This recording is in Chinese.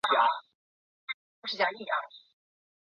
夏绿蒂与布伦威尔创作了有关安格利亚的文章及诗篇。